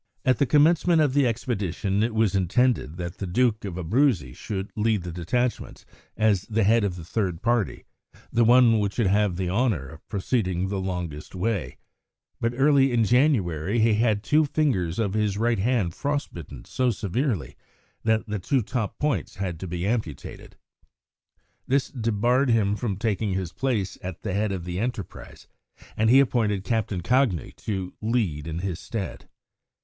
At the commencement of the expedition it was intended that the Duke of Abruzzi should lead the detachments as the head of the third party, the one which would have the honour of proceeding the longest way; but early in January he had two fingers of his right hand frost bitten so severely that the two top joints had to be amputated. This debarred him from taking his place at the head of the enterprise, and he appointed Captain Cagni to the lead in his stead.